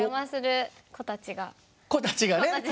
子たちがね。